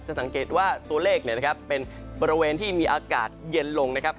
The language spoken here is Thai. สังเกตว่าตัวเลขเป็นบริเวณที่มีอากาศเย็นลงนะครับ